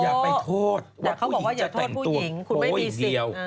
อยากไปโทษว่าผู้หญิงจะแต่งตัวโป๊ะอีกเดียว